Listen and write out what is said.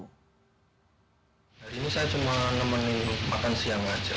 hari ini saya cuma nemenin makan siang aja